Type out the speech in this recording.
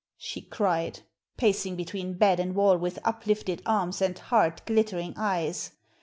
she cried, pacing between bed and wall with uplifted arms and hard, glittering eyes.